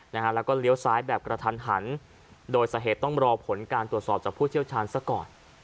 นะครับแล้วก็เลี้ยวสายแบบกระทันโดยสาเหตุต้องรอผลการตรวจสอบผู้เชี่ยวชาญสักก่อน